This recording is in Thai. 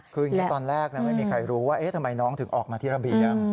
คืออย่างนี้ตอนแรกไม่มีใครรู้ว่าทำไมน้องถึงออกมาที่ระเบียง